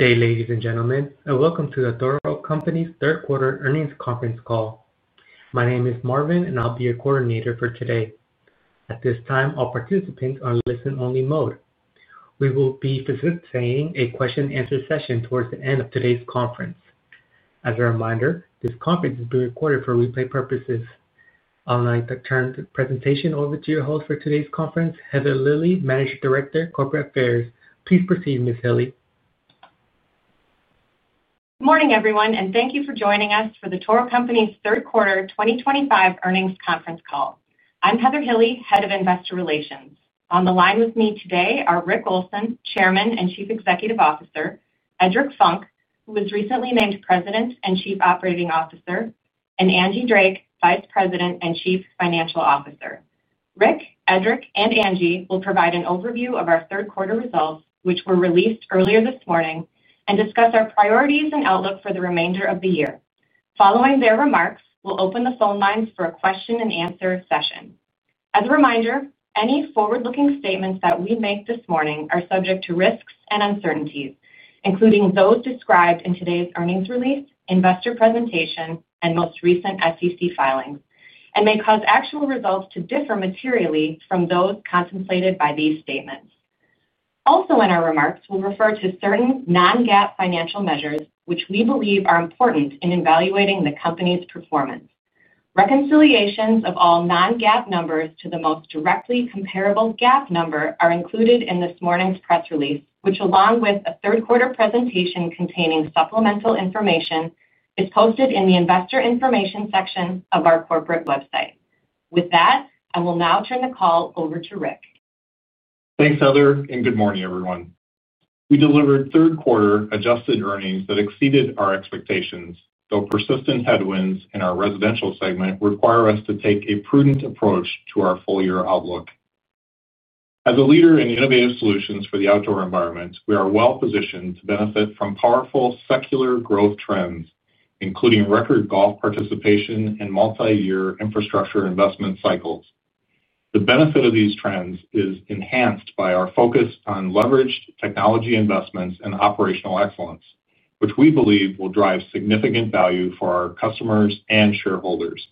Good day, ladies and gentlemen, and welcome to The Toro Company's Third Quarter Earnings Conference Call. My name is Marvin, and I'll be your coordinator for today. At this time, all participants are in listen-only mode. We will be facilitating a question and answer session towards the end of today's conference. As a reminder, this conference is being recorded for replay purposes. I'd like to turn the presentation over to your host for today's conference, Heather Hille, Managing Director, Corporate Affairs. Please proceed, Ms. Hille. Good morning, everyone, and thank you for joining us for The Toro Company's Third Quarter 2025 Earnings Conference Call. I'm Heather Hille, Head of Investor Relations. On the line with me today are Rick Olson, Chairman and Chief Executive Officer, Edric Funk, who was recently named President and Chief Operating Officer, and Angie Drake, Vice President and Chief Financial Officer. Rick, Edric, and Angie will provide an overview of our third quarter results, which were released earlier this morning, and discuss our priorities and outlook for the remainder of the year. Following their remarks, we'll open the phone lines for a question and answer session. As a reminder, any forward-looking statements that we make this morning are subject to risks and uncertainties, including those described in today's earnings release, investor presentation, and most recent SEC filings, and may cause actual results to differ materially from those contemplated by these statements. Also, in our remarks, we'll refer to certain non-GAAP financial measures, which we believe are important in evaluating the company's performance. Reconciliations of all non-GAAP numbers to the most directly comparable GAAP number are included in this morning's press release, which, along with a third quarter presentation containing supplemental information, is posted in the Investor Information section of our corporate website. With that, I will now turn the call over to Rick. Thanks, Heather, and good morning, everyone. We delivered third quarter adjusted earnings that exceeded our expectations, though persistent headwinds in our residential segment require us to take a prudent approach to our full-year outlook. As a leader in innovative solutions for the outdoor environment, we are well positioned to benefit from powerful secular growth trends, including record golf participation and multi-year infrastructure investment cycles. The benefit of these trends is enhanced by our focus on leveraged technology investments and operational excellence, which we believe will drive significant value for our customers and shareholders.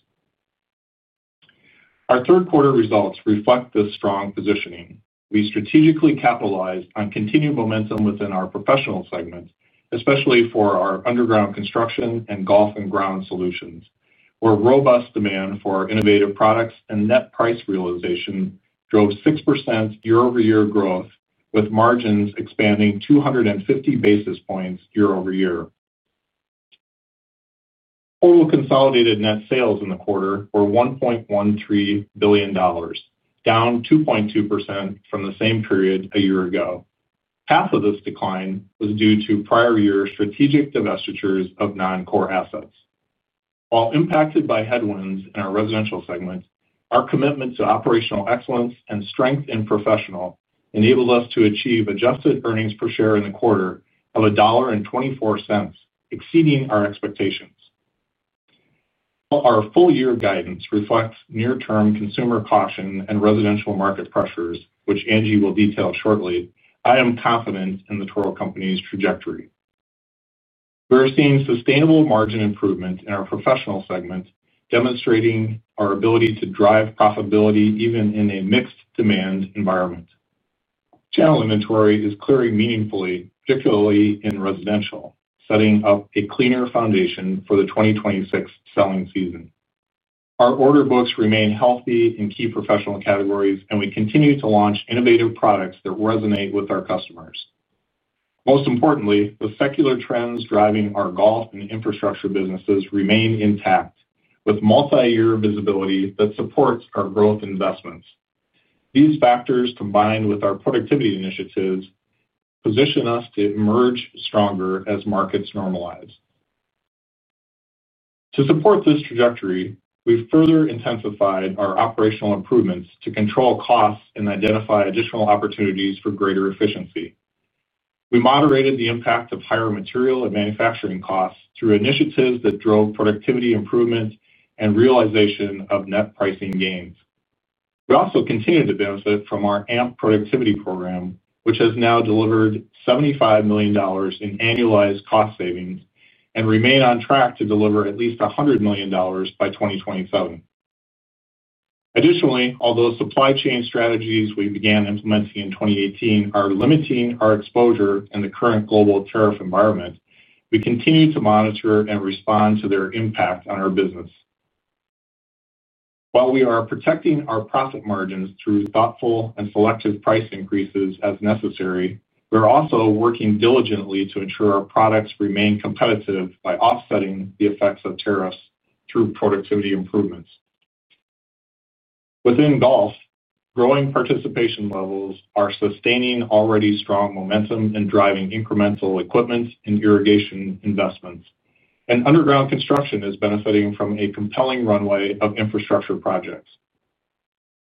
Our third quarter results reflect this strong positioning. We strategically capitalized on continued momentum within our professional segments, especially for our underground construction and golf and ground solutions, where robust demand for innovative products and net price realization drove 6% year-over-year growth, with margins expanding 250 basis points year-over-year. Total consolidated net sales in the quarter were $1.13 billion, down 2.2% from the same period a year ago. Half of this decline was due to prior-year strategic divestitures of non-core assets. While impacted by headwinds in our residential segment, our commitment to operational excellence and strength in professional enabled us to achieve adjusted earnings per share in the quarter of $1.24, exceeding our expectations. While our full-year guidance reflects near-term consumer caution and residential market pressures, which Angie will detail shortly, I am confident in The Toro Company's trajectory. We are seeing sustainable margin improvement in our professional segment, demonstrating our ability to drive profitability even in a mixed demand environment. Channel inventory is clearing meaningfully, particularly in residential, setting up a cleaner foundation for the 2026 selling season. Our order books remain healthy in key professional categories, and we continue to launch innovative products that resonate with our customers. Most importantly, the secular trends driving our golf and infrastructure businesses remain intact, with multi-year visibility that supports our growth investments. These factors, combined with our productivity initiatives, position us to emerge stronger as markets normalize. To support this trajectory, we've further intensified our operational improvements to control costs and identify additional opportunities for greater efficiency. We moderated the impact of higher material and manufacturing costs through initiatives that drove productivity improvement and realization of net pricing gains. We also continued to benefit from our AMP productivity program, which has now delivered $75 million in annualized cost savings and remains on track to deliver at least $100 million by 2027. Additionally, although supply chain strategies we began implementing in 2018 are limiting our exposure in the current global tariff environment, we continue to monitor and respond to their impact on our business. While we are protecting our profit margins through thoughtful and selective price increases as necessary, we're also working diligently to ensure our products remain competitive by offsetting the effects of tariffs through productivity improvements. Within golf, growing participation levels are sustaining already strong momentum and driving incremental equipment and irrigation investments. And underground construction is benefiting from a compelling runway of infrastructure projects.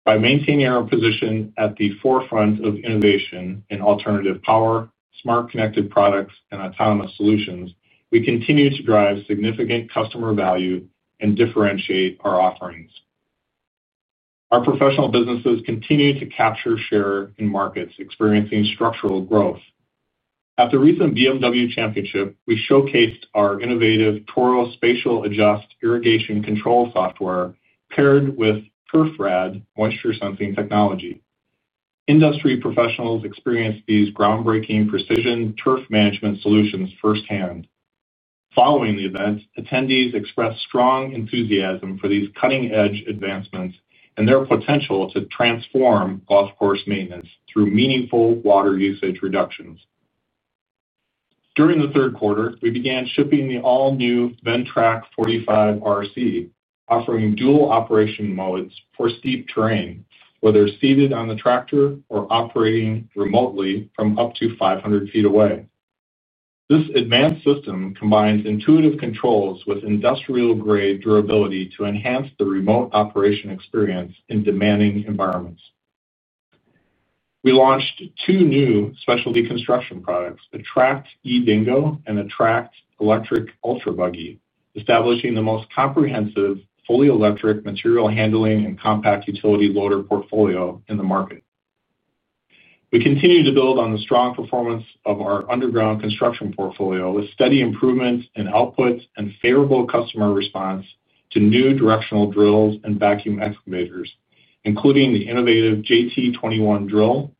By maintaining our position at the forefront of innovation in alternative power, smart connected products, and autonomous solutions, we continue to drive significant customer value and differentiate our offerings. Our professional businesses continue to capture share in markets experiencing structural growth. At the recent BMW Championship, we showcased our innovative Toro Spatial Adjust irrigation control software, paired with TurfRad moisture sensing technology. Industry professionals experienced these groundbreaking precision turf management solutions firsthand. Following the event, attendees expressed strong enthusiasm for these cutting-edge advancements and their potential to transform golf course maintenance through meaningful water usage reductions. During the third quarter, we began shipping the all-new Ventrac 45RC, offering dual operation modes for steep terrain, whether seated on the tractor or operating remotely from up to 500 feet away. This advanced system combines intuitive controls with industrial-grade durability to enhance the remote operation experience in demanding environments. We launched two new specialty construction products, eDingo and electric Ultra Buggy, establishing the most comprehensive, fully electric material handling and compact utility loader portfolio in the market. We continue to build on the strong performance of our underground construction portfolio with steady improvements in outputs and favorable customer response to new directional drills and vacuum excavators, including the innovative JT21 drill,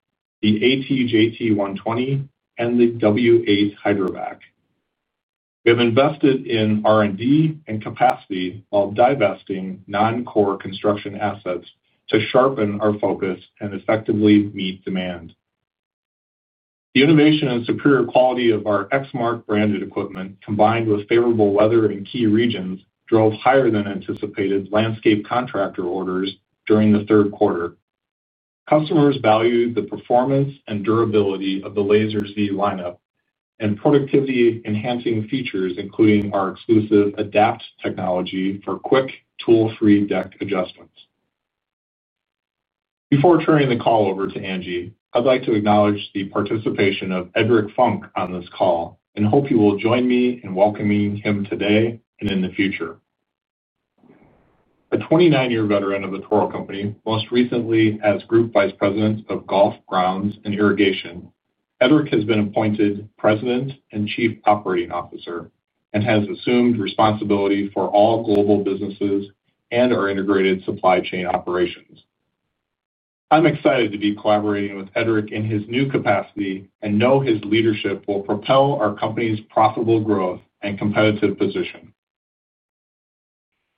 the AT120, and the W8 HydroVac. We have invested in R&D and capacity while divesting non-core construction assets to sharpen our focus and effectively meet demand. The innovation and superior quality of our Exmark branded equipment, combined with favorable weather in key regions, drove higher than anticipated landscape contractor orders during the third quarter. Customers value the performance and durability of the Lazer Z lineup and productivity-enhancing features, including our exclusive Adapt technology for quick, tool-free deck adjustments. Before turning the call over to Angie, I'd like to acknowledge the participation of Edric Funk on this call and hope you will join me in welcoming him today and in the future. A twenty-nine-year veteran of the Toro Company, most recently as Group Vice President of Golf Grounds and Irrigation, Edric has been appointed President and Chief Operating Officer and has assumed responsibility for all global businesses and our integrated supply chain operations. I'm excited to be collaborating with Edric in his new capacity and know his leadership will propel our company's profitable growth and competitive position.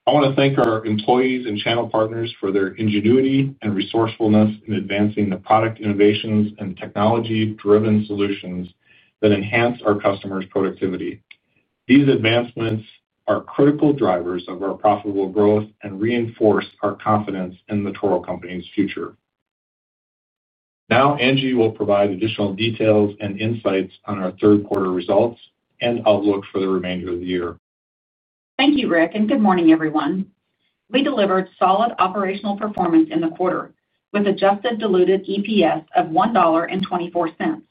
I want to thank our employees and channel partners for their ingenuity and resourcefulness in advancing the product innovations and technology-driven solutions that enhance our customers' productivity. These advancements are critical drivers of our profitable growth and reinforce our confidence in the Toro Company's future. Now, Angie will provide additional details and insights on our third quarter results and outlook for the remainder of the year. Thank you, Rick, and good morning, everyone. We delivered solid operational performance in the quarter with adjusted diluted EPS of $1.24,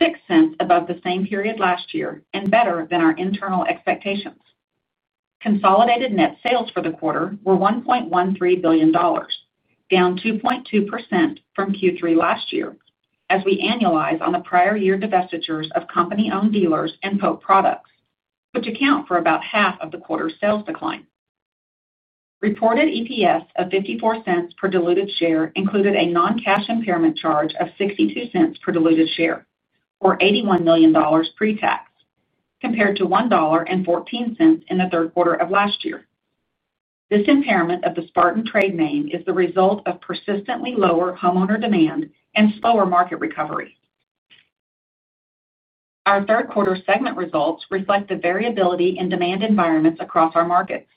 $0.06 above the same period last year, and better than our internal expectations. Consolidated net sales for the quarter were $1.13 billion, down 2.2% from Q3 last year, as we annualize on the prior year divestitures of company-owned dealers and Pope Products, which account for about half of the quarter's sales decline. Reported EPS of $0.54 per diluted share included a non-cash impairment charge of $0.62 per diluted share, or $81 million pre-tax, compared to $1.14 in the third quarter of last year. This impairment of the Spartan trade name is the result of persistently lower homeowner demand and slower market recovery. Our third quarter segment results reflect the variability in demand environments across our markets,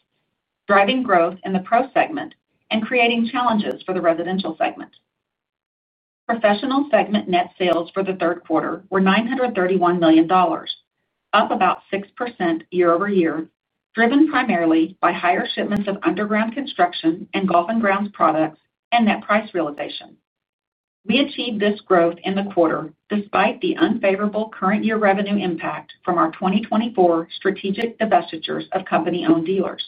driving growth in the pro segment and creating challenges for the residential segment. Professional segment net sales for the third quarter were $931 million, up about 6% year-over-year, driven primarily by higher shipments of underground construction and golf and grounds products and net price realization. We achieved this growth in the quarter despite the unfavorable current year revenue impact from our 2024 strategic divestitures of company-owned dealers.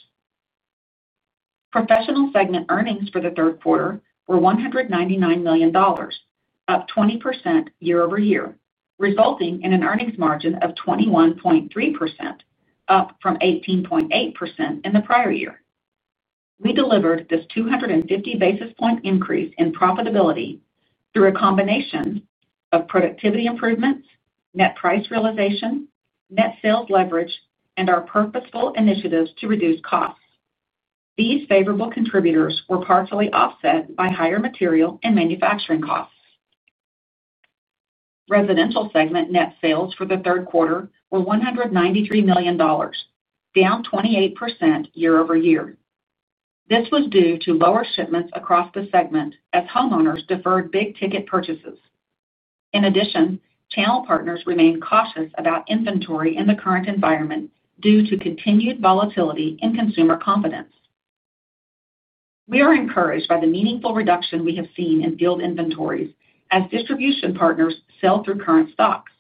Professional segment earnings for the third quarter were $199 million, up 20% year-over-year, resulting in an earnings margin of 21.3%, up from 18.8% in the prior year. We delivered this 250 basis points increase in profitability through a combination of productivity improvements, net price realization, net sales leverage, and our purposeful initiatives to reduce costs. These favorable contributors were partially offset by higher material and manufacturing costs. Residential segment net sales for the third quarter were $193 million, down 28% year-over-year. This was due to lower shipments across the segment as homeowners deferred big-ticket purchases. In addition, channel partners remained cautious about inventory in the current environment due to continued volatility in consumer confidence. We are encouraged by the meaningful reduction we have seen in field inventories as distribution partners sell through current stocks.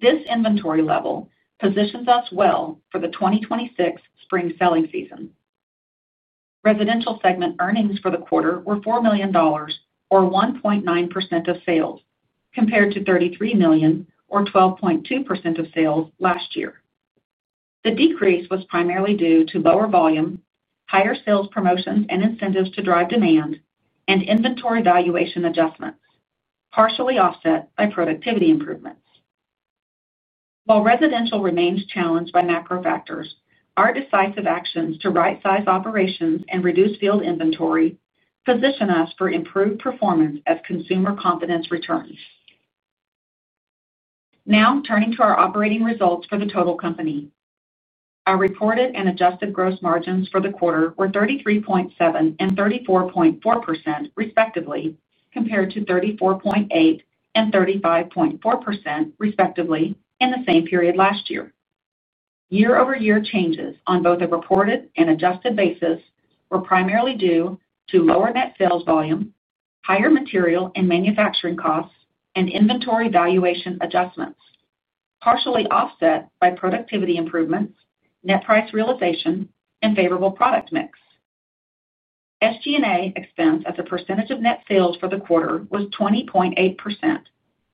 This inventory level positions us well for the 2026 spring selling season. Residential segment earnings for the quarter were $4 million, or 1.9% of sales, compared to $33 million, or 12.2% of sales last year. The decrease was primarily due to lower volume, higher sales promotions and incentives to drive demand, and inventory valuation adjustments, partially offset by productivity improvements. While residential remains challenged by macro factors, our decisive actions to right-size operations and reduce field inventory position us for improved performance as consumer confidence returns. Now, turning to our operating results for the total company. Our reported and adjusted gross margins for the quarter were 33.7% and 34.4%, respectively, compared to 34.8% and 35.4%, respectively, in the same period last year. Year-over-year changes on both a reported and adjusted basis were primarily due to lower net sales volume, higher material and manufacturing costs, and inventory valuation adjustments, partially offset by productivity improvements, net price realization, and favorable product mix. SG&A expense as a percentage of net sales for the quarter was 20.8%,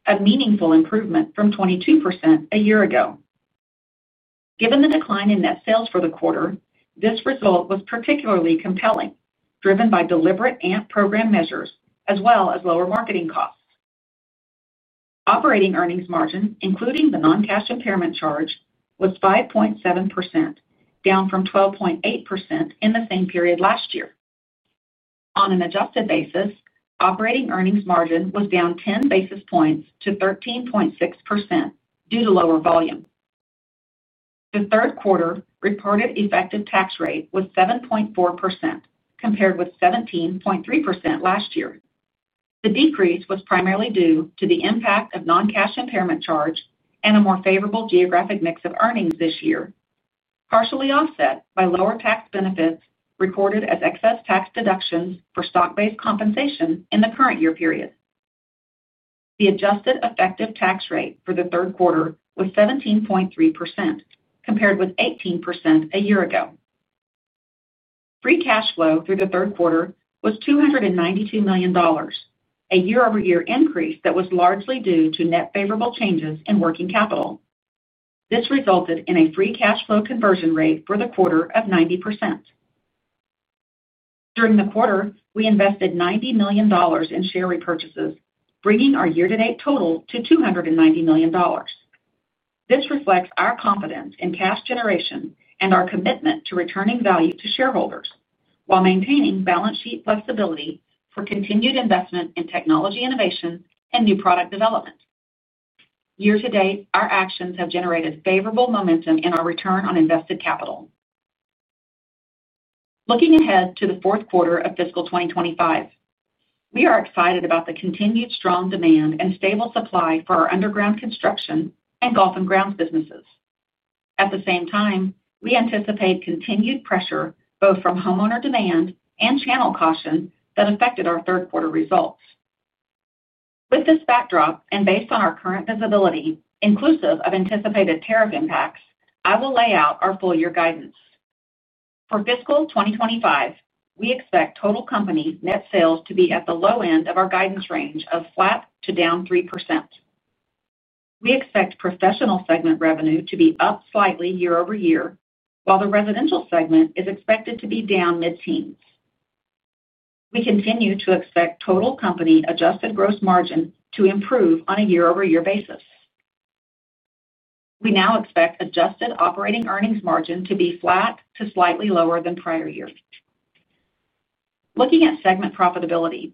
a meaningful improvement from 22% a year ago. Given the decline in net sales for the quarter, this result was particularly compelling, driven by deliberate AMP program measures as well as lower marketing costs. Operating earnings margin, including the non-cash impairment charge, was 5.7%, down from 12.8% in the same period last year. On an adjusted basis, operating earnings margin was down 10 basis points to 13.6% due to lower volume. The third quarter reported effective tax rate was 7.4%, compared with 17.3% last year. The decrease was primarily due to the impact of non-cash impairment charge and a more favorable geographic mix of earnings this year, partially offset by lower tax benefits recorded as excess tax deductions for stock-based compensation in the current year period. The adjusted effective tax rate for the third quarter was 17.3%, compared with 18% a year ago. Free cash flow through the third quarter was $292 million, a year-over-year increase that was largely due to net favorable changes in working capital. This resulted in a free cash flow conversion rate for the quarter of 90%. During the quarter, we invested $90 million in share repurchases, bringing our year-to-date total to $290 million. This reflects our confidence in cash generation and our commitment to returning value to shareholders, while maintaining balance sheet flexibility for continued investment in technology innovation and new product development. year-to-date, our actions have generated favorable momentum in our return on invested capital. Looking ahead to the fourth quarter of fiscal 2025, we are excited about the continued strong demand and stable supply for our underground construction and golf and grounds businesses. At the same time, we anticipate continued pressure, both from homeowner demand and channel caution, that affected our third quarter results. With this backdrop, and based on our current visibility, inclusive of anticipated tariff impacts, I will lay out our full year guidance. For fiscal 2025, we expect total company net sales to be at the low end of our guidance range of flat to down 3%. We expect professional segment revenue to be up slightly year-over-year, while the residential segment is expected to be down mid-teens. We continue to expect total company adjusted gross margin to improve on a year-over-year basis. We now expect adjusted operating earnings margin to be flat to slightly lower than prior years. Looking at segment profitability,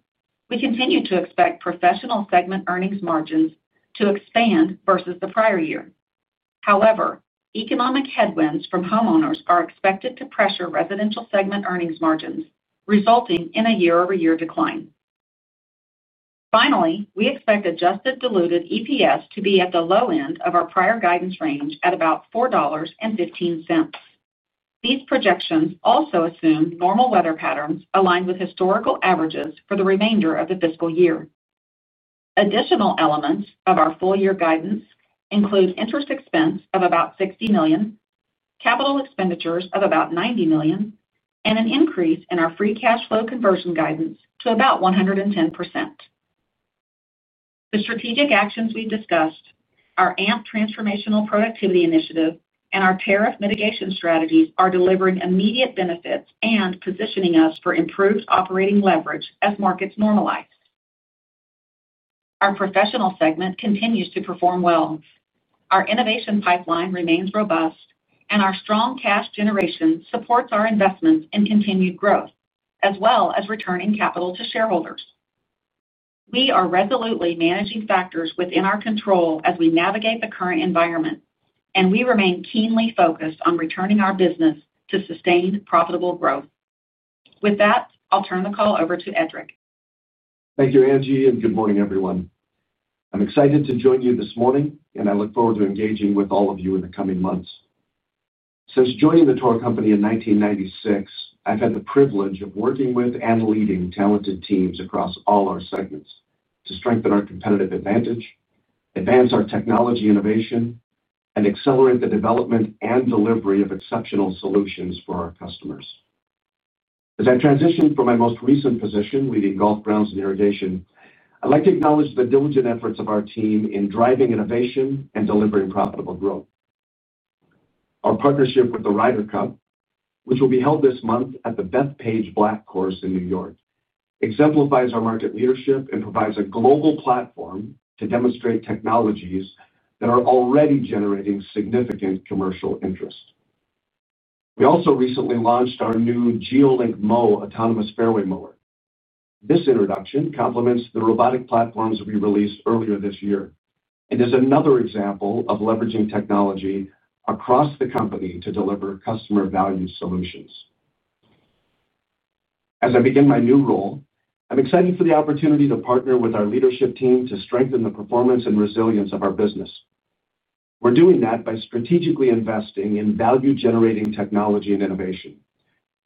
we continue to expect professional segment earnings margins to expand versus the prior year. However, economic headwinds from homeowners are expected to pressure residential segment earnings margins, resulting in a year-over-year decline. Finally, we expect adjusted diluted EPS to be at the low end of our prior guidance range at about $4.15. These projections also assume normal weather patterns aligned with historical averages for the remainder of the fiscal year. Additional elements of our full-year guidance include interest expense of about $60 million, capital expenditures of about $90 million, and an increase in our free cash flow conversion guidance to about 110%. The strategic actions we discussed, our AMP transformational productivity initiative, and our tariff mitigation strategies are delivering immediate benefits and positioning us for improved operating leverage as markets normalize. Our professional segment continues to perform well. Our innovation pipeline remains robust, and our strong cash generation supports our investments in continued growth, as well as returning capital to shareholders. We are resolutely managing factors within our control as we navigate the current environment, and we remain keenly focused on returning our business to sustained, profitable growth. With that, I'll turn the call over to Edric. Thank you, Angie, and good morning, everyone. I'm excited to join you this morning, and I look forward to engaging with all of you in the coming months. Since joining The Toro Company in 1996, I've had the privilege of working with and leading talented teams across all our segments to strengthen our competitive advantage, advance our technology innovation, and accelerate the development and delivery of exceptional solutions for our customers. As I transition from my most recent position leading Golf Grounds and Irrigation, I'd like to acknowledge the diligent efforts of our team in driving innovation and delivering profitable growth. Our partnership with the Ryder Cup, which will be held this month at the Bethpage Black Course in New York, exemplifies our market leadership and provides a global platform to demonstrate technologies that are already generating significant commercial interest. We also recently launched our new GeoLink Mow, autonomous fairway mower. This introduction complements the robotic platforms we released earlier this year and is another example of leveraging technology across the company to deliver customer value solutions. As I begin my new role, I'm excited for the opportunity to partner with our leadership team to strengthen the performance and resilience of our business. We're doing that by strategically investing in value-generating technology and innovation,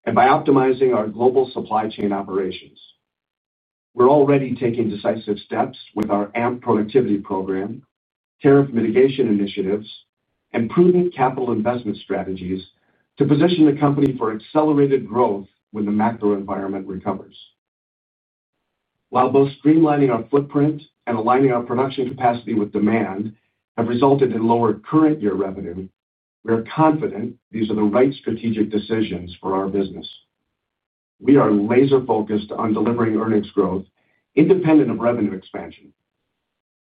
and by optimizing our global supply chain operations. We're already taking decisive steps with our AMP productivity program, tariff mitigation initiatives, and prudent capital investment strategies to position the company for accelerated growth when the macro environment recovers. While both streamlining our footprint and aligning our production capacity with demand have resulted in lower current year revenue, we are confident these are the right strategic decisions for our business. We are laser-focused on delivering earnings growth independent of revenue expansion,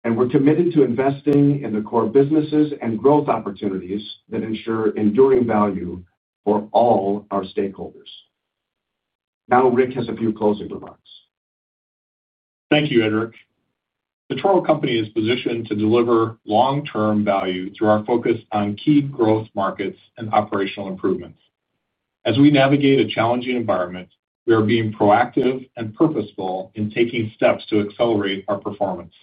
and we're committed to investing in the core businesses and growth opportunities that ensure enduring value for all our stakeholders. Now, Rick has a few closing remarks. Thank you, Edric. The Toro Company is positioned to deliver long-term value through our focus on key growth markets and operational improvements. As we navigate a challenging environment, we are being proactive and purposeful in taking steps to accelerate our performance.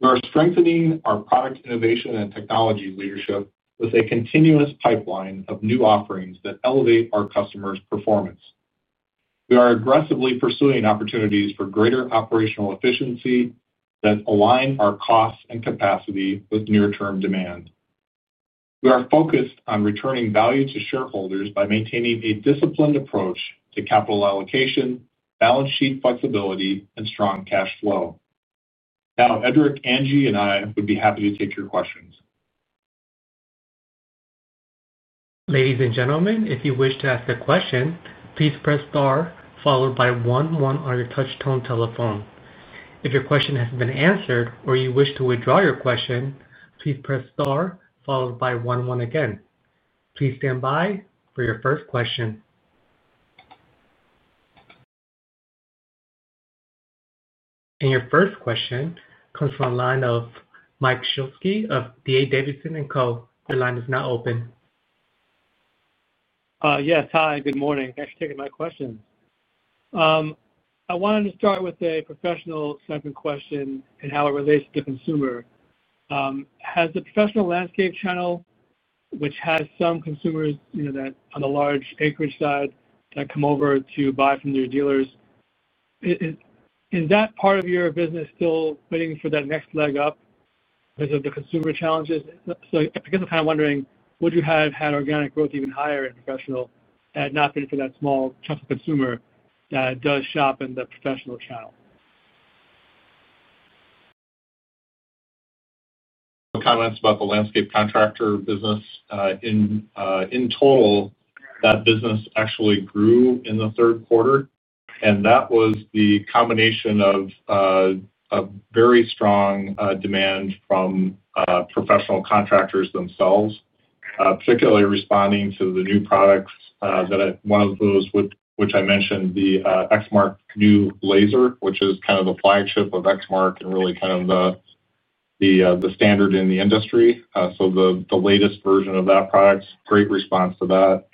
We are strengthening our product innovation and technology leadership with a continuous pipeline of new offerings that elevate our customers' performance. We are aggressively pursuing opportunities for greater operational efficiency that align our costs and capacity with near-term demand. We are focused on returning value to shareholders by maintaining a disciplined approach to capital allocation, balance sheet flexibility, and strong cash flow. Now, Edric, Angie, and I would be happy to take your questions. Ladies and gentlemen, if you wish to ask a question, please press star followed by one one on your touch tone telephone. If your question has been answered or you wish to withdraw your question, please press star followed by one one again. Please stand by for your first question. And your first question comes from the line of Mike Shlisky of D.A. Davidson & Co. Your line is now open. Yes, hi, good morning. Thanks for taking my question. I wanted to start with a professional segment question and how it relates to consumer. Has the professional landscape channel, which has some consumers, you know, that on the large acreage side, that come over to buy from your dealers, is that part of your business still waiting for that next leg up because of the consumer challenges? So I guess I'm kind of wondering, would you have had organic growth even higher in professional had it not been for that small chunk of consumer that does shop in the professional channel? Comments about the landscape contractor business. In total, that business actually grew in the third quarter, and that was the combination of a very strong demand from professional contractors themselves, particularly responding to the new products, one of those which I mentioned, the Exmark new Lazer, which is kind of the flagship of Exmark and really kind of the standard in the industry. So the latest version of that product, great response to that.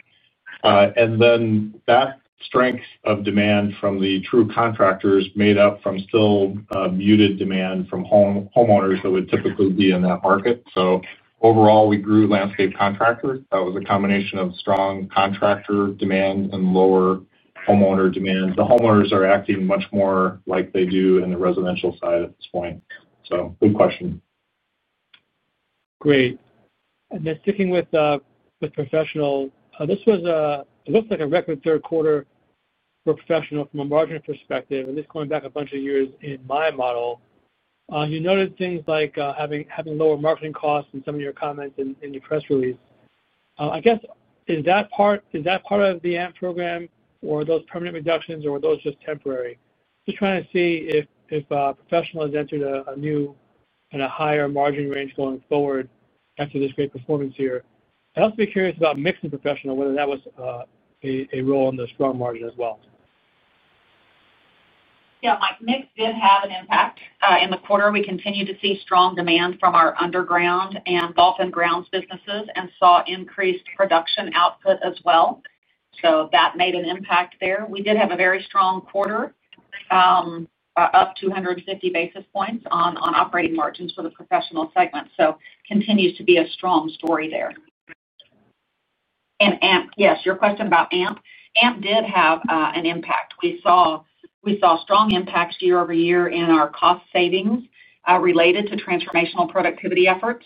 And then that strength of demand from the pro contractors made up for still muted demand from homeowners that would typically be in that market. So overall, we grew landscape contractor. That was a combination of strong contractor demand and lower homeowner demand. The homeowners are acting much more like they do in the residential side at this point. So, good question. Great. And then sticking with professional, this was a, it looks like a record third quarter for professional from a margin perspective, at least going back a bunch of years in my model. You noted things like having lower marketing costs in some of your comments in your press release. I guess, is that part of the AMP program or those permanent reductions or were those just temporary? Just trying to see if professional has entered a new and higher margin range going forward after this great performance here. I'd also be curious about mix and professional, whether that was a role in the strong margin as well. Yeah, Mike, mix did have an impact. In the quarter, we continued to see strong demand from our underground and golf and grounds businesses and saw increased production output as well. So that made an impact there. We did have a very strong quarter, up 250 basis points on operating margins for the professional segment, so continues to be a strong story there. And AMP, yes, your question about AMP. AMP did have an impact. We saw strong impacts year-over-year in our cost savings related to transformational productivity efforts.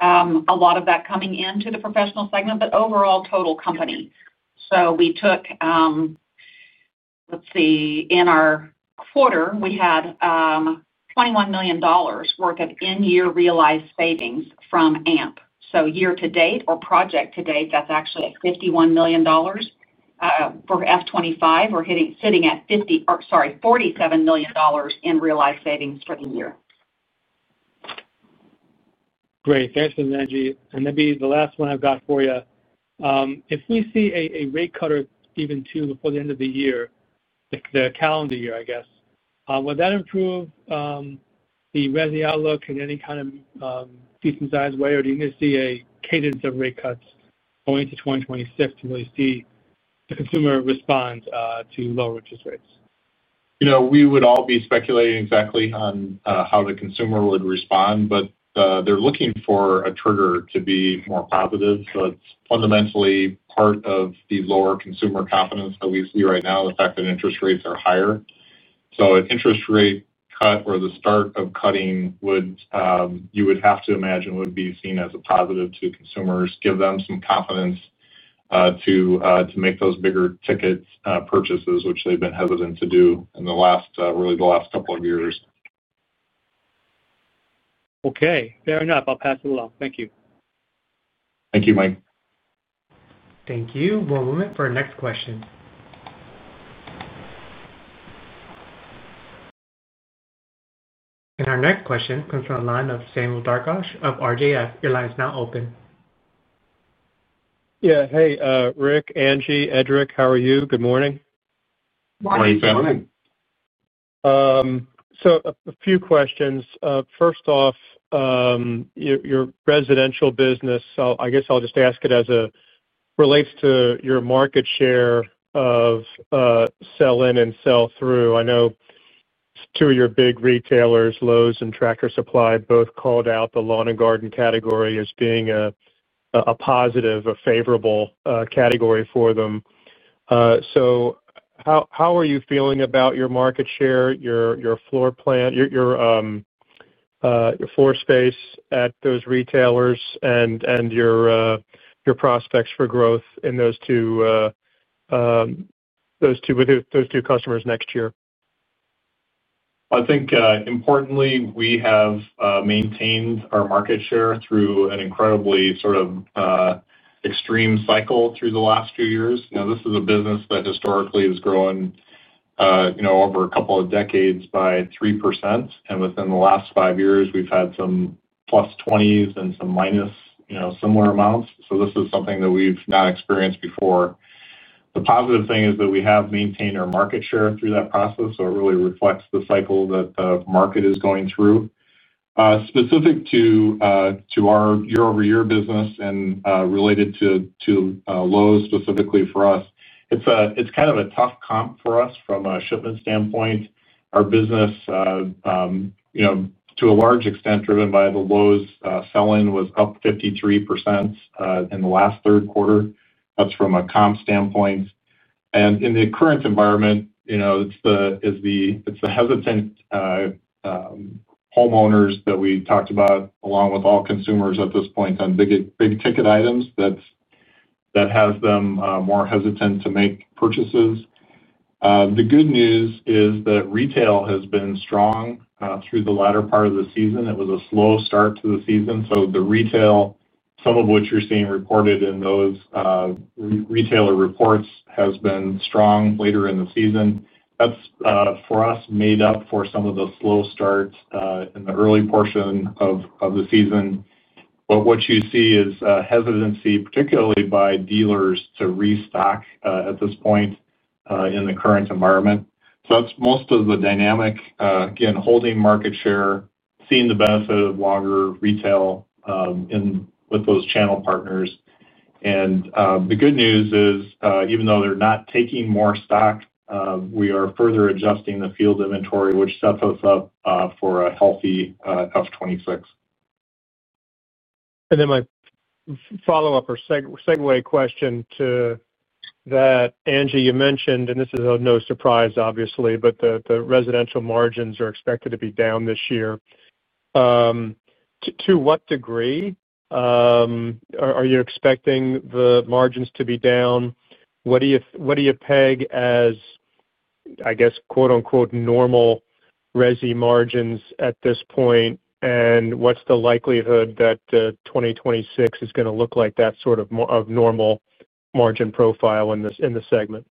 A lot of that coming into the professional segment, but overall, total company. So we took, let's see, in our quarter, we had $21 million worth of in-year realized savings from AMP. So year-to-date or project to date, that's actually $51 million for FY 2025. We're hitting-sitting at $50, or sorry, $47 million in realized savings for the year. Great. Thanks for that, Angie. And then the last one I've got for you. If we see a rate cut, even two, before the end of the year, the calendar year, I guess, will that improve the resi outlook in any kind of decent-sized way? Or do you need to see a cadence of rate cuts going to twenty twenty-six to really see the consumer respond to lower interest rates? You know, we would all be speculating exactly on how the consumer would respond, but they're looking for a trigger to be more positive. So it's fundamentally part of the lower consumer confidence that we see right now, the fact that interest rates are higher. So an interest rate cut or the start of cutting would, you would have to imagine, would be seen as a positive to consumers, give them some confidence to make those big-ticket purchases, which they've been hesitant to do in the last, really the last couple of years. Okay. Fair enough. I'll pass it along. Thank you. Thank you, Mike. Thank you. One moment for our next question, and our next question comes from the line of Sam Darkatsh of RJF. Your line is now open. Yeah. Hey, Rick, Angie, Edric, how are you? Good morning. Morning. Good morning. Morning. A few questions. First off, your residential business, so I guess I'll just ask it as it relates to your market share of sell-in and sell-through. I know two of your big retailers, Lowe's and Tractor Supply, both called out the lawn and garden category as being a positive, favorable category for them. How are you feeling about your market share, your floor plan, your floor space at those retailers and your prospects for growth in those two with those two customers next year? I think, importantly, we have maintained our market share through an incredibly sort of extreme cycle through the last few years. You know, this is a business that historically has grown, you know, over a couple of decades by 3%, and within the last five years, we've had some plus twenties and some minus, you know, similar amounts. So this is something that we've not experienced before. The positive thing is that we have maintained our market share through that process, so it really reflects the cycle that the market is going through. Specific to our year-over-year business and related to Lowe's specifically for us, it's kind of a tough comp for us from a shipment standpoint. Our business, you know, to a large extent, driven by the Lowe's sell-in, was up 53% in the last third quarter. That's from a comp standpoint, and in the current environment, you know, it's the hesitant homeowners that we talked about, along with all consumers at this point, on big-ticket items that's that has them more hesitant to make purchases. The good news is that retail has been strong through the latter part of the season. It was a slow start to the season, so the retail, some of which you're seeing reported in those retailer reports, has been strong later in the season. That's for us made up for some of the slow starts in the early portion of the season. But what you see is hesitancy, particularly by dealers, to restock at this point in the current environment. So that's most of the dynamic again, holding market share, seeing the benefit of longer retail in with those channel partners. And the good news is, even though they're not taking more stock, we are further adjusting the field inventory, which sets us up for a healthy FY 2026. And then my follow-up or segue question to that, Angie. You mentioned, and this is of no surprise, obviously, but the residential margins are expected to be down this year. To what degree are you expecting the margins to be down? What do you peg as, I guess, quote-unquote, "normal resi margins" at this point? And what's the likelihood that 2026 is gonna look like that sort of of normal margin profile in this segment?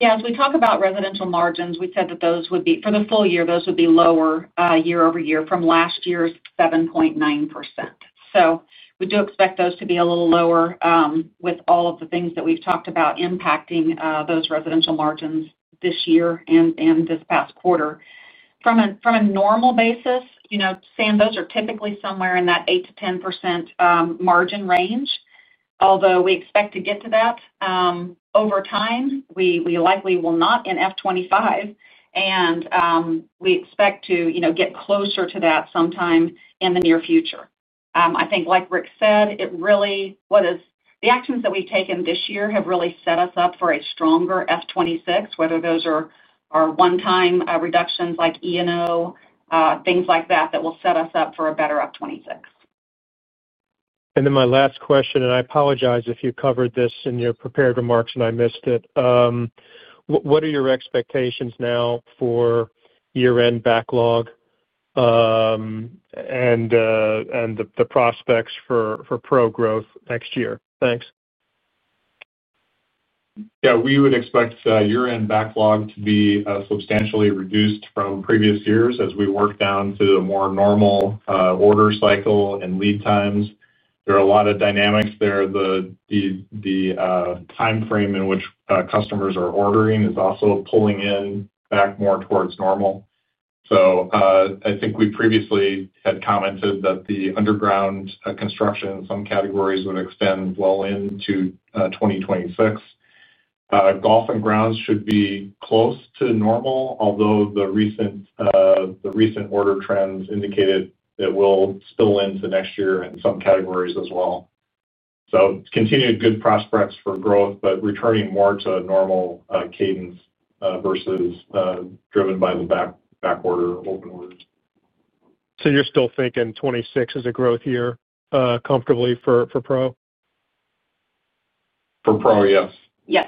Yeah, as we talk about residential margins, we said that those would be for the full year, those would be lower year-over-year from last year's 7.9%. So we do expect those to be a little lower with all of the things that we've talked about impacting those residential margins this year and this past quarter. From a normal basis, you know, and those are typically somewhere in that 8%-10% margin range. Although we expect to get to that over time, we likely will not in fiscal 2025, and we expect to get closer to that sometime in the near future. I think like Rick said, it really, the actions that we've taken this year have really set us up for a stronger fiscal 2026, whether those are one-time reductions like E&O, things like that, that will set us up for a better fiscal 2026. And then my last question, and I apologize if you covered this in your prepared remarks and I missed it. What are your expectations now for year-end backlog, and the prospects for Pro growth next year? Thanks. Yeah, we would expect year-end backlog to be substantially reduced from previous years as we work down to a more normal order cycle and lead times. There are a lot of dynamics there. The time frame in which customers are ordering is also pulling it back more towards normal. So, I think we previously had commented that the underground construction in some categories would extend well into twenty twenty-six. Golf and Grounds should be close to normal, although the recent order trends indicated it will spill into next year in some categories as well. So continued good prospects for growth, but returning more to a normal cadence versus driven by the back order, open orders. So you're still thinking 2026 is a growth year, comfortably for Pro? For Pro, yes. Yes.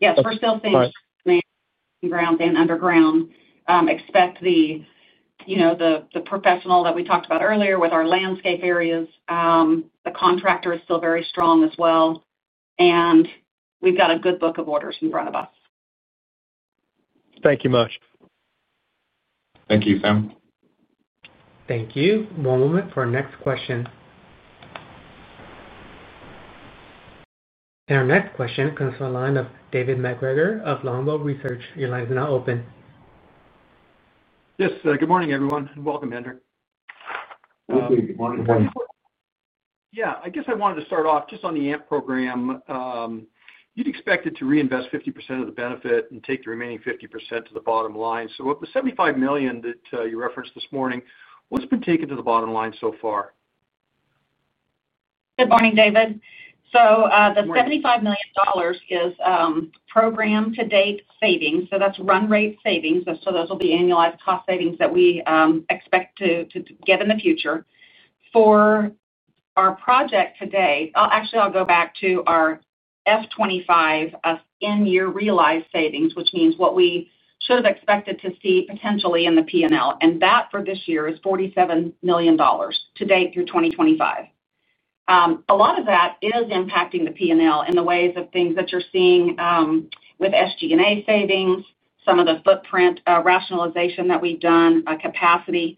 Yes, we're still seeing Ground and Underground. Expect the, you know, the professional that we talked about earlier with our landscape areas, the contractor is still very strong as well, and we've got a good book of orders in front of us. Thank you much. Thank you, Sam. Thank you. One moment for our next question, and our next question comes from the line of David MacGregor of Longbow Research. Your line is now open. Yes, good morning, everyone, and welcome, Andrew. Good morning, David. Yeah, I guess I wanted to start off just on the AMP program. You'd expected to reinvest 50% of the benefit and take the remaining 50% to the bottom line, so of the $75 million that you referenced this morning, what's been taken to the bottom line so far? Good morning, David. So, the $75 million is program to date savings, so that's run rate savings. So those will be annualized cost savings that we expect to get in the future. Actually, I'll go back to our FY 2025 in-year realized savings, which means what we should have expected to see potentially in the P&L, and that for this year is $47 million to date through 2025. A lot of that is impacting the P&L in the ways of things that you're seeing with SG&A savings, some of the footprint rationalization that we've done, capacity.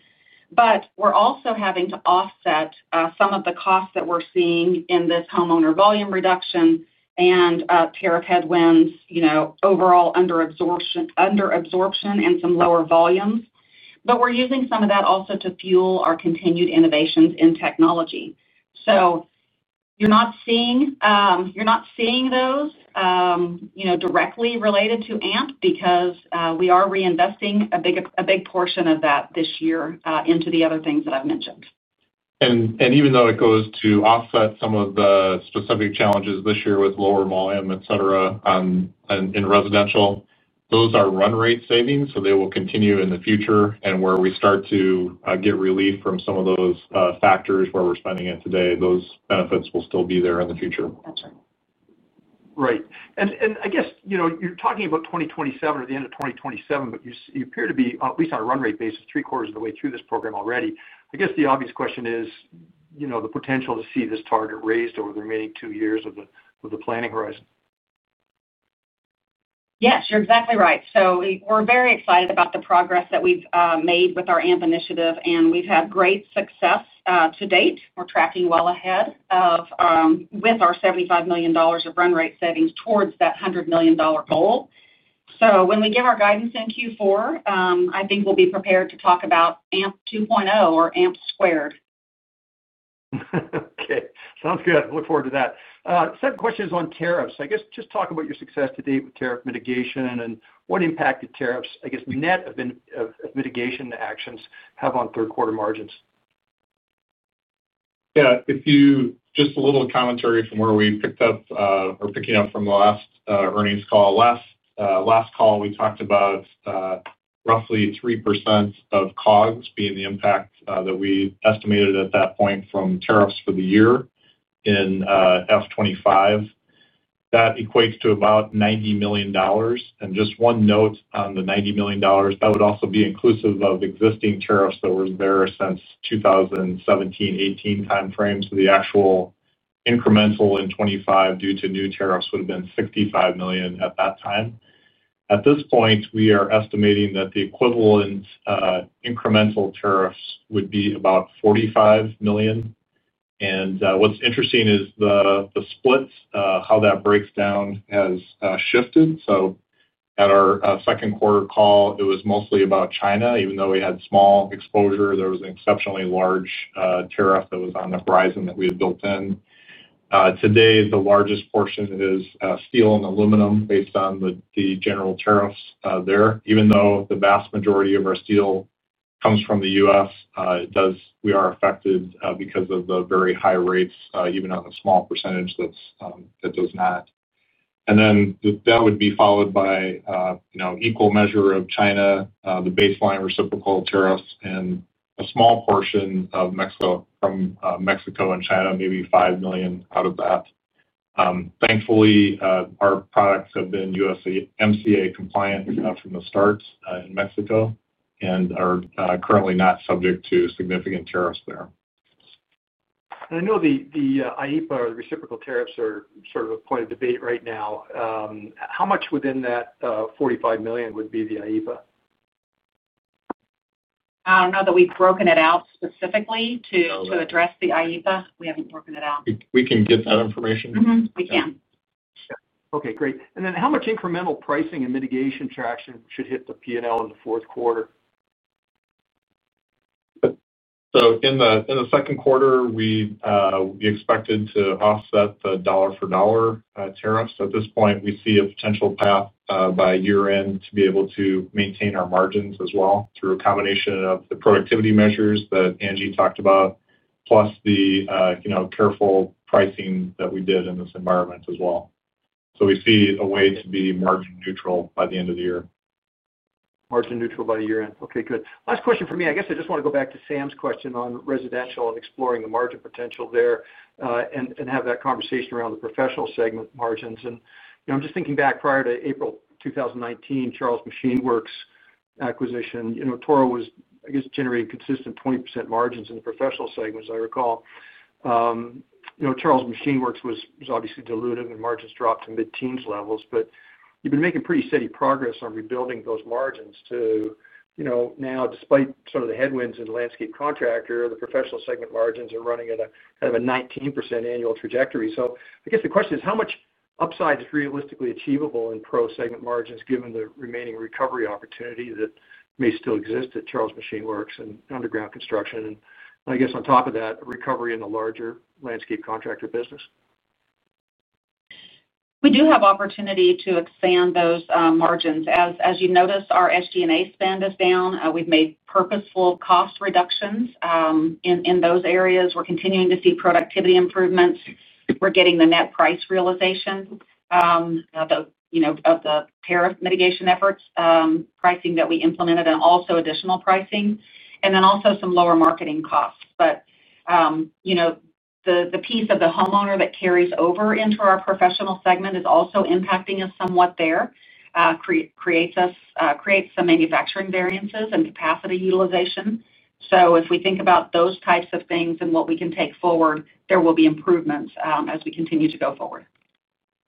But we're also having to offset some of the costs that we're seeing in this homeowner volume reduction and tariff headwinds, you know, overall under absorption and some lower volumes. But we're using some of that also to fuel our continued innovations in technology. So you're not seeing those, you know, directly related to AMP because we are reinvesting a big portion of that this year into the other things that I've mentioned. Even though it goes to offset some of the specific challenges this year with lower volume, et cetera, in residential, those are run rate savings, so they will continue in the future. And where we start to get relief from some of those factors where we're spending it today, those benefits will still be there in the future. That's right. Right. And I guess, you know, you're talking about 2027 or the end of 2027, but you appear to be, at least on a run rate basis, three quarters of the way through this program already. I guess the obvious question is, you know, the potential to see this target raised over the remaining two years of the planning horizon. Yes, you're exactly right, so we're very excited about the progress that we've made with our AMP initiative, and we've had great success to date. We're tracking well ahead of with our $75 million of run rate savings towards that $100 million goal, so when we give our guidance in Q4, I think we'll be prepared to talk about AMP two point oh or AMP squared. Okay, sounds good. Look forward to that. Second question is on tariffs. I guess just talk about your success to date with tariff mitigation and what impact the tariffs, I guess, net of in, of mitigation actions have on third quarter margins. Yeah, just a little commentary from where we picked up, or picking up from the last earnings call. Last call, we talked about roughly 3% of COGS being the impact that we estimated at that point from tariffs for the year in fiscal 2025. That equates to about $90 million. And just one note on the $90 million, that would also be inclusive of existing tariffs that were there since 2017, 2018 time frame. So the actual incremental in 2025 due to new tariffs would have been $65 million at that time. At this point, we are estimating that the equivalent incremental tariffs would be about $45 million. And what's interesting is the splits, how that breaks down has shifted. At our second quarter call, it was mostly about China. Even though we had small exposure, there was an exceptionally large tariff that was on the horizon that we had built in. Today, the largest portion is steel and aluminum, based on the general tariffs there. Even though the vast majority of our steel comes from the U.S., it does. We are affected because of the very high rates even on the small percentage that does not. Then that would be followed by you know equal measure of China, the baseline reciprocal tariffs, and a small portion of Mexico, from Mexico and China, maybe $5 million out of that. Thankfully, our products have been USMCA-compliant from the start in Mexico and are currently not subject to significant tariffs there. I know the IEEPA or the reciprocal tariffs are sort of a point of debate right now. How much within that $45 million would be the IEEPA? I don't know that we've broken it out specifically to address the IEEPA. We haven't broken it out. We can get that information. Mm-hmm, we can. Yeah. Okay, great. And then how much incremental pricing and mitigation traction should hit the P&L in the fourth quarter? So in the second quarter, we expected to offset the dollar-for-dollar tariffs. At this point, we see a potential path by year-end to be able to maintain our margins as well, through a combination of the productivity measures that Angie talked about, plus the you know, careful pricing that we did in this environment as well. So we see a way to be margin neutral by the end of the year. Margin neutral by the year-end. Okay, good. Last question from me. I guess I just want to go back to Sam's question on residential and exploring the margin potential there, and have that conversation around the professional segment margins. And, you know, I'm just thinking back, prior to April 2019, Charles Machine Works acquisition, you know, Toro was, I guess, generating consistent 20% margins in the professional segment, as I recall. You know, Charles Machine Works was obviously dilutive, and margins dropped to mid-teens levels, but you've been making pretty steady progress on rebuilding those margins to, you know, now, despite some of the headwinds in the landscape contractor, the professional segment margins are running at a, kind of a 19% annual trajectory. So I guess the question is: How much upside is realistically achievable in Pro segment margins, given the remaining recovery opportunity that may still exist at Charles Machine Works and underground construction? And I guess on top of that, recovery in the larger landscape contractor business. We do have opportunity to expand those margins. As you notice, our SG&A spend is down. We've made purposeful cost reductions in those areas. We're continuing to see productivity improvements. We're getting the net price realization of the, you know, tariff mitigation efforts, pricing that we implemented and also additional pricing, and then also some lower marketing costs. But, you know, the piece of the homeowner that carries over into our professional segment is also impacting us somewhat there, creates some manufacturing variances and capacity utilization. So if we think about those types of things and what we can take forward, there will be improvements as we continue to go forward.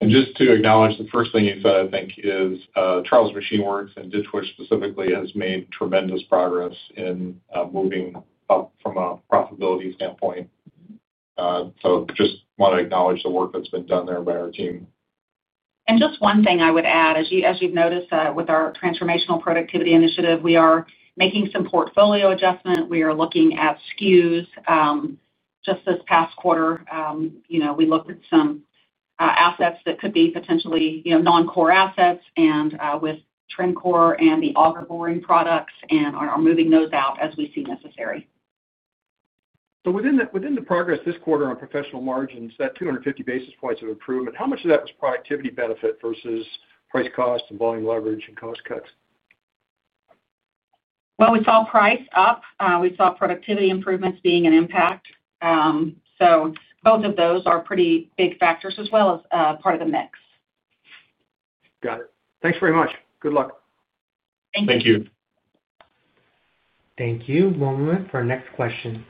Just to acknowledge, the first thing you said, I think, is Charles Machine Works and Ditch Witch specifically has made tremendous progress in moving up from a profitability standpoint. So just want to acknowledge the work that's been done there by our team. And just one thing I would add, as you, as you've noticed, with our transformational productivity initiative, we are making some portfolio adjustment. We are looking at SKUs. Just this past quarter, you know, we looked at some assets that could be potentially, you know, non-core assets and, with Trencor and the Auger Boring products and are moving those out as we see necessary. Within the progress this quarter on professional margins, that 250 basis points of improvement, how much of that was productivity benefit versus price, cost, and volume leverage and cost cuts? We saw price up. We saw productivity improvements being an impact, so both of those are pretty big factors as well as part of the mix. Got it. Thanks very much. Good luck. Thank you. Thank you. Thank you. One moment for our next question.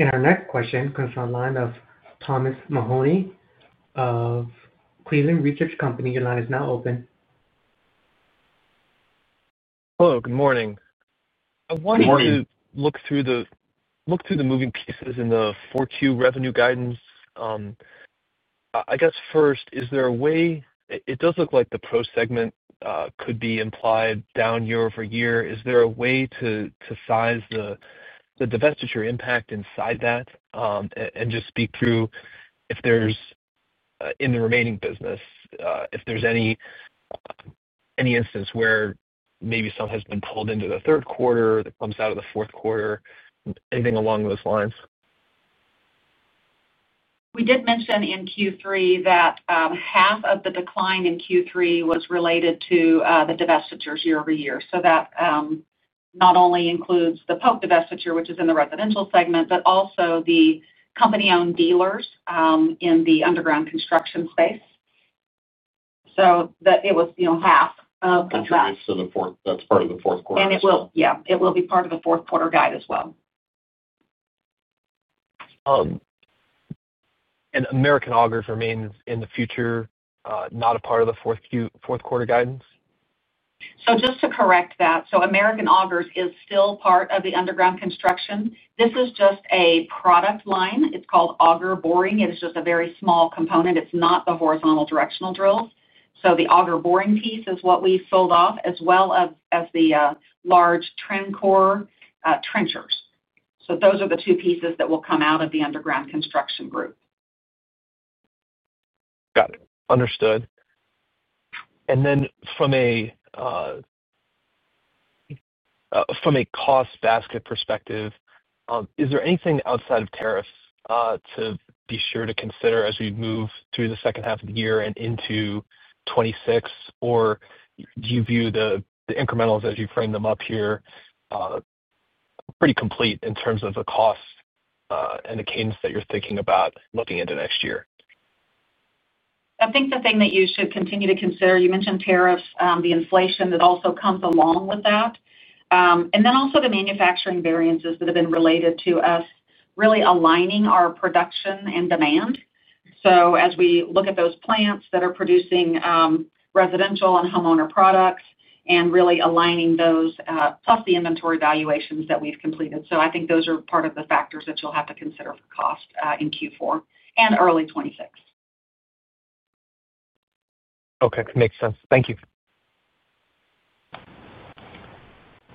And our next question comes from the line of Thomas Mahoney of Cleveland Research Company. Your line is now open. Hello, good morning. Good morning. I wanted to look through the moving pieces in the forward revenue guidance. I guess first, is there a way. It does look like the Pro segment could be implied down year-over-year. Is there a way to size the divestiture impact inside that? And just speak through if there's in the remaining business if there's any instance where maybe some has been pulled into the third quarter that comes out of the fourth quarter, anything along those lines? We did mention in Q3 that half of the decline in Q3 was related to the divestitures year-over-year. So that not only includes the Pope divestiture, which is in the residential segment, but also the company-owned dealers in the underground construction space. So that it was, you know, half of that. That's part of the fourth quarter. And it will... Yeah, it will be part of the fourth quarter guide as well. And American Augers remains in the future, not a part of the fourth quarter guidance? Just to correct that, American Augers is still part of the underground construction. This is just a product line. It's called Auger Boring. It is just a very small component. It's not the horizontal directional drills. The Auger Boring piece is what we sold off, as well as the large Trencor trenchers. Those are the two pieces that will come out of the underground construction group. Got it. Understood. And then from a cost basket perspective, is there anything outside of tariffs to be sure to consider as we move through the second half of the year and into 2026? Or do you view the incrementals as you frame them up here pretty complete in terms of the cost and the cadence that you're thinking about looking into next year? I think the thing that you should continue to consider, you mentioned tariffs, the inflation that also comes along with that, and then also the manufacturing variances that have been related to us really aligning our production and demand. So as we look at those plants that are producing residential and homeowner products and really aligning those, plus the inventory valuations that we've completed. So I think those are part of the factors that you'll have to consider for cost in Q4 and early 2026. Okay. Makes sense. Thank you.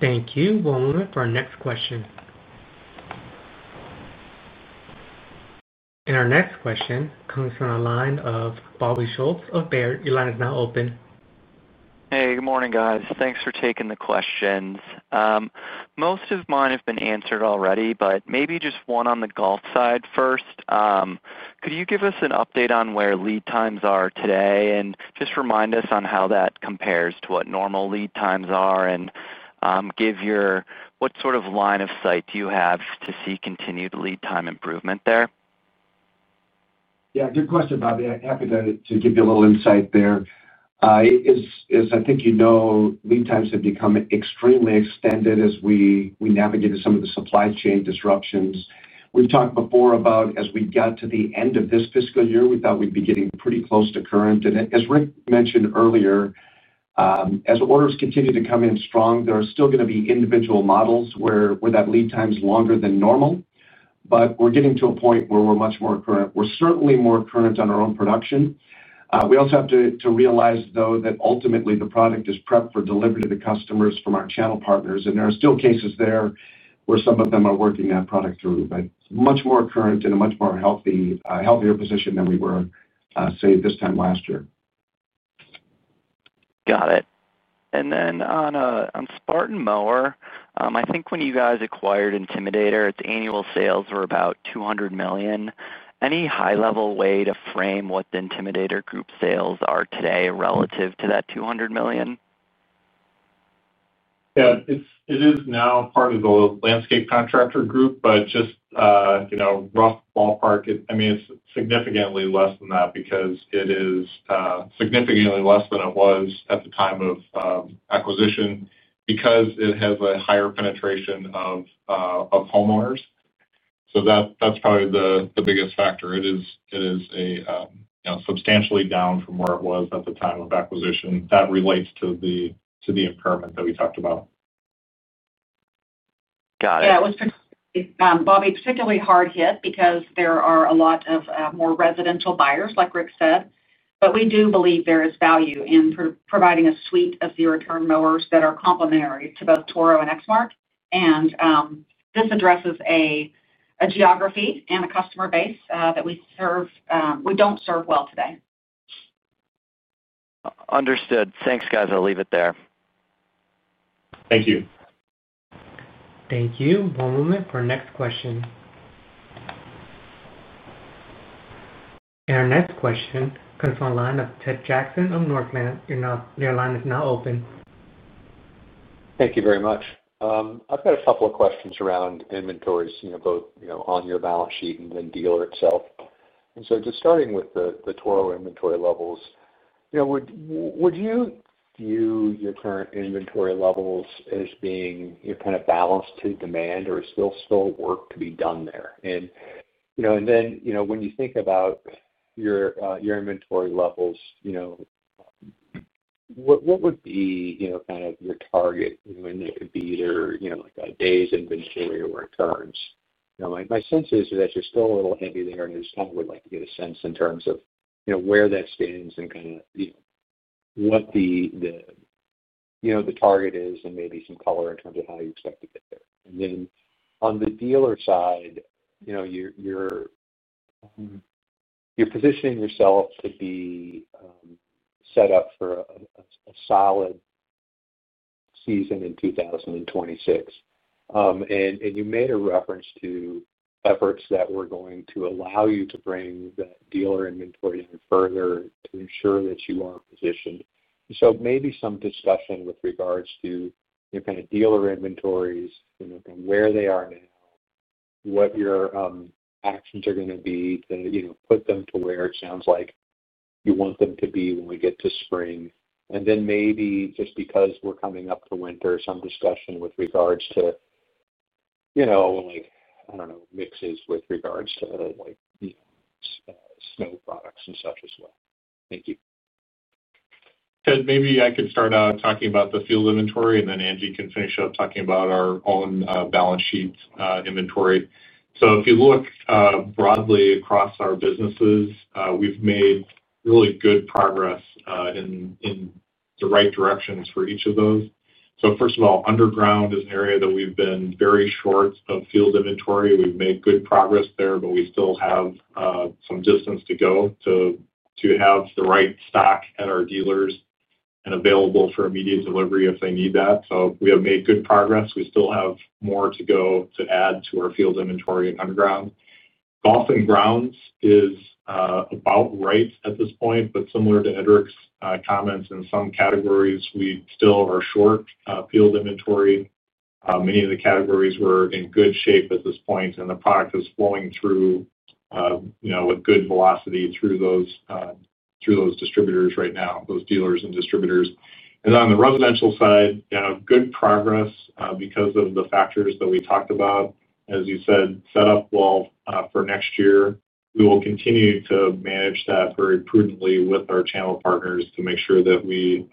Thank you. One moment for our next question. And our next question comes from the line of Bobby Schultz of Baird. Your line is now open. Hey, good morning, guys. Thanks for taking the questions. Most of mine have been answered already, but maybe just one on the golf side first. Could you give us an update on where lead times are today, and just remind us on how that compares to what normal lead times are, and, give your... What sort of line of sight do you have to see continued lead time improvement there? Yeah, good question, Bobby. I'm happy to give you a little insight there. As I think you know, lead times have become extremely extended as we navigate some of the supply chain disruptions. We've talked before about as we got to the end of this fiscal year, we thought we'd be getting pretty close to current. And as Rick mentioned earlier, as orders continue to come in strong, there are still gonna be individual models where that lead time is longer than normal, but we're getting to a point where we're much more current. We're certainly more current on our own production. We also have to realize, though, that ultimately the product is prepped for delivery to the customers from our channel partners, and there are still cases there where some of them are working that product through, but much more current and a much more healthy, healthier position than we were, say, this time last year. Got it. And then on Spartan Mowers, I think when you guys acquired Intimidator Group, its annual sales were about $200 million. Any high-level way to frame what the Intimidator Group sales are today relative to that $200 million? Yeah. It's, it is now part of the landscape contractor group, but just, you know, rough ballpark, it... I mean, it's significantly less than that because it is, significantly less than it was at the time of, acquisition, because it has a higher penetration of, of homeowners. So that, that's probably the, the biggest factor. It is, it is a, you know, substantially down from where it was at the time of acquisition. That relates to the, to the impairment that we talked about. Got it. Yeah, it was, Bobby, particularly hard hit because there are a lot of more residential buyers, like Rick said, but we do believe there is value in providing a suite of zero-turn mowers that are complementary to both Toro and Exmark. And, this addresses a geography and a customer base that we serve, we don't serve well today. Understood. Thanks, guys. I'll leave it there. Thank you. Thank you. One moment for our next question. And our next question comes from the line of Ted Jackson of Northland. Your line is now open. Thank you very much. I've got a couple of questions around inventories, you know, both, you know, on your balance sheet and then dealer itself. And so just starting with the Toro inventory levels, you know, would you view your current inventory levels as being, you know, kind of balanced to demand or still work to be done there? And, you know, then, you know, when you think about your, your inventory levels, you know, what would be, you know, kind of your target when it could be either, you know, like days inventory or turns? You know, my sense is that you're still a little heavy there, and I just kind of would like to get a sense in terms of, you know, where that stands and kinda, you know, what the target is and maybe some color in terms of how you expect to get there. And then on the dealer side, you know, you're positioning yourself to be set up for a solid season in 2026. And you made a reference to efforts that were going to allow you to bring that dealer inventory even further to ensure that you are positioned. So maybe some discussion with regards to your kind of dealer inventories, you know, from where they are now, what your actions are gonna be to, you know, put them to where it sounds like you want them to be when we get to spring? And then maybe just because we're coming up to winter, some discussion with regards to, you know, like, I don't know, mixes with regards to, like, you know, snow products and such as well. Thank you. Ted, maybe I could start out talking about the field inventory, and then Angie can finish up talking about our own balance sheets inventory. So if you look broadly across our businesses, we've made really good progress in the right directions for each of those. So first of all, underground is an area that we've been very short of field inventory. We've made good progress there, but we still have some distance to go to have the right stock at our dealers and available for immediate delivery if they need that. So we have made good progress. We still have more to go to add to our field inventory and underground. Golf and Grounds is about right at this point, but similar to Edric's comments, in some categories, we still are short field inventory. Many of the categories, we're in good shape at this point, and the product is flowing through, you know, with good velocity through those distributors right now, those dealers and distributors. And on the residential side, you know, good progress because of the factors that we talked about. As you said, set up well for next year. We will continue to manage that very prudently with our channel partners to make sure that we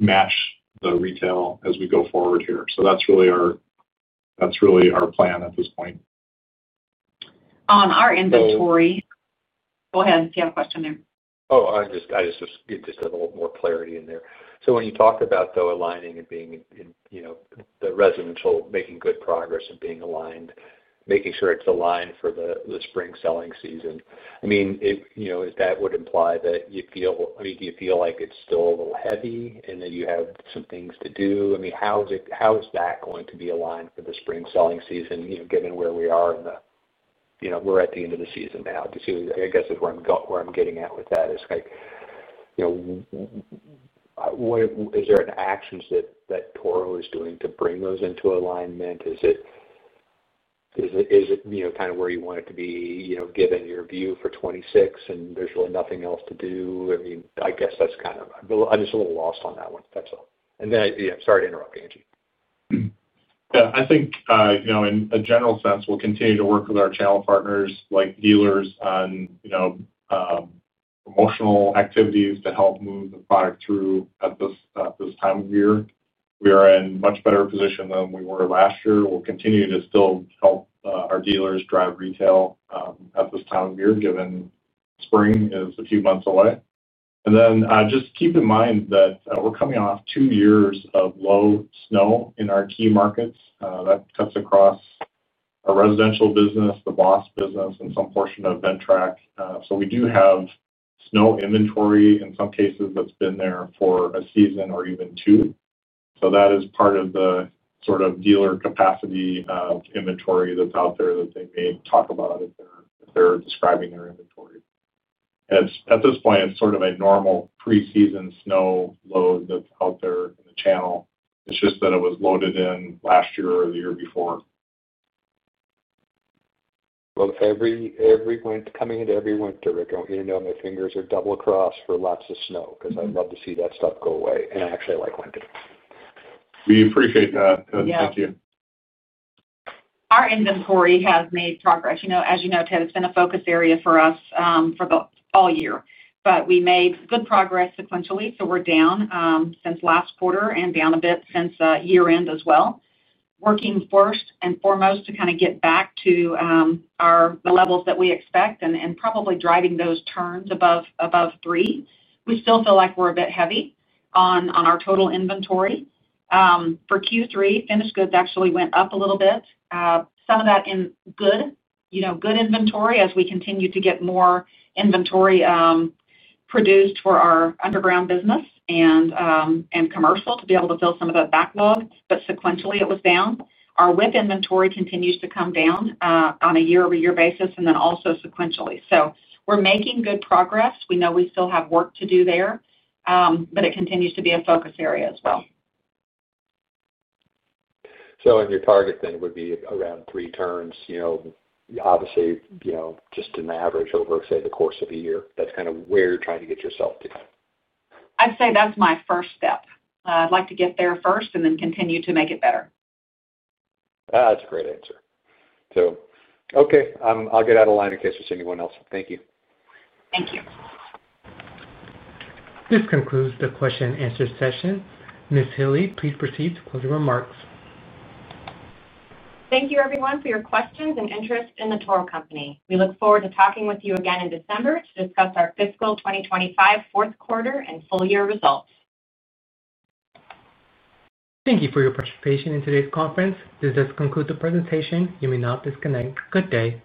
match the retail as we go forward here. So that's really our plan at this point. On our inventory. Go ahead. You have a question there. Oh, I just get a little more clarity in there. So when you talk about, though, aligning and being in the residential, you know, making good progress and being aligned, making sure it's aligned for the spring selling season, I mean, you know, that would imply that you feel. I mean, do you feel like it's still a little heavy and that you have some things to do? I mean, how is that going to be aligned for the spring selling season, you know, given where we are in the... You know, we're at the end of the season now. I guess what I'm getting at with that is, like, you know, what is there any actions that Toro is doing to bring those into alignment? Is it, you know, kind of where you want it to be, you know, given your view for 2026, and there's really nothing else to do? I mean, I guess that's kind of... I'm just a little lost on that one. That's all. And then, yeah, sorry to interrupt, Angie. Yeah. I think, you know, in a general sense, we'll continue to work with our channel partners, like dealers, on, you know, promotional activities to help move the product through at this time of year. We are in much better position than we were last year. We'll continue to still help, our dealers drive retail, at this time of year, given spring is a few months away, and then just keep in mind that, we're coming off two years of low snow in our key markets. That cuts across our residential business, the BOSS business, and some portion of Ventrac. So we do have snow inventory in some cases that's been there for a season or even two. That is part of the sort of dealer capacity, inventory that's out there that they may talk about if they're describing their inventory. At this point, it's sort of a normal preseason snow load that's out there in the channel. It's just that it was loaded in last year or the year before. Every winter, coming into every winter, I go, you know, my fingers are double-crossed for lots of snow because I'd love to see that stuff go away, and I actually like winter. We appreciate that. Yeah. Thank you. Our inventory has made progress. You know, as you know, Ted, it's been a focus area for us all year, but we made good progress sequentially, so we're down since last quarter and down a bit since year end as well. Working first and foremost to kinda get back to the levels that we expect and probably driving those turns above three. We still feel like we're a bit heavy on our total inventory. For Q3, finished goods actually went up a little bit. Some of that is good, you know, good inventory as we continue to get more inventory produced for our underground business and commercial to be able to fill some of that backlog, but sequentially, it was down. Our WIP inventory continues to come down, on a year-over-year basis, and then also sequentially. So we're making good progress. We know we still have work to do there, but it continues to be a focus area as well. So and your target then would be around three turns, you know, obviously, you know, just an average over, say, the course of a year. That's kind of where you're trying to get yourself to. I'd say that's my first step. I'd like to get there first and then continue to make it better. Ah, that's a great answer. So, okay, I'll get out of line in case there's anyone else. Thank you. Thank you. This concludes the question and answer session. Ms. Hille, please proceed to closing remarks. Thank you, everyone, for your questions and interest in the Toro Company. We look forward to talking with you again in December to discuss our fiscal 2025 fourth quarter and full year results. Thank you for your participation in today's conference. This does conclude the presentation. You may now disconnect. Good day.